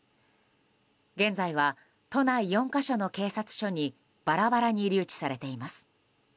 現在は都内４か所の警察署にバラバラに留置されています。